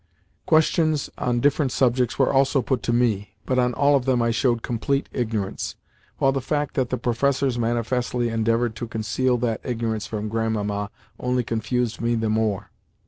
Questions on different subjects were also put to me, but on all of them I showed complete ignorance, while the fact that the professors manifestly endeavoured to conceal that ignorance from Grandmamma only confused me the more.